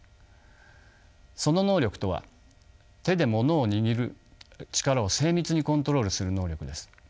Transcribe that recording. その能力とは手でものを握る力を精密にコントロールする能力です。